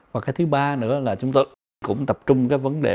và cái thứ ba nữa là chúng tôi cũng tập trung cái vấn đề